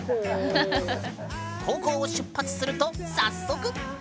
高校を出発すると早速！